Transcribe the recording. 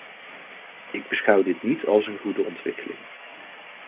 Ik beschouw dit niet als een goede ontwikkeling.